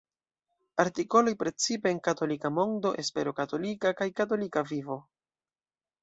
Artikoloj precipe en Katolika Mondo, Espero Katolika kaj Katolika Vivo.